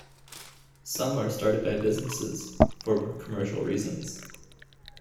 Some are started by businesses, for commercial reasons.